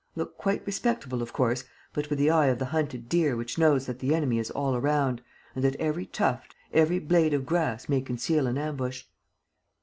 ... Look quite respectable, of course, but with the eye of the hunted deer which knows that the enemy is all around and that every tuft, every blade of grass may conceal an ambush."